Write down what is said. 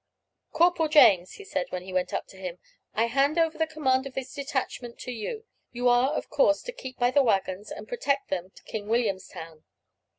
"Corporal James," he said, when he went up to him, "I hand over the command of this detachment to you. You are, of course, to keep by the waggons and protect them to King Williamstown."